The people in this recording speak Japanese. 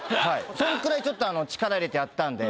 そのくらいちょっと力入れてやったんで。